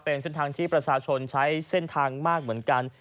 เป็นเส้นทางที่ประชาชนใช้เส้นทางมากเหมือนกัน